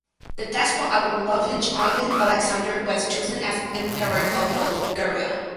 The despot of Lovech Ivan Alexander was chosen as emperor of Bulgaria.